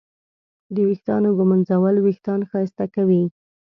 د ویښتانو ږمنځول وېښتان ښایسته کوي.